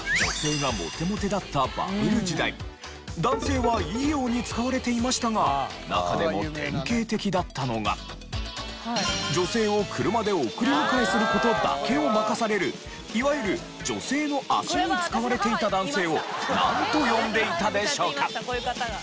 男性はいいように使われていましたが中でも典型的だったのが女性を車で送り迎えする事だけを任されるいわゆる女性の足に使われていた男性をなんと呼んでいたでしょうか？